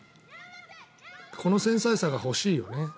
この繊細さが欲しいよね。